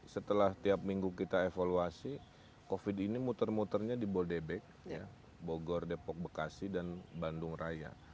setelah setiap minggu kita evaluasi covid ini muter muternya di bodebek bogor depok bekasi dan bandung raya